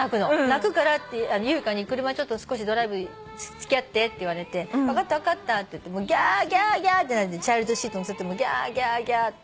泣くからって優香に車少しドライブ付き合ってって言われて分かった分かったってギャーギャーギャーって泣いてチャイルドシート乗せてもギャーギャーギャー。